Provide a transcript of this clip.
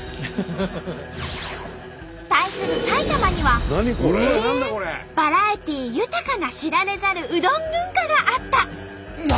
対する埼玉にはバラエティー豊かな知られざるうどん文化があった。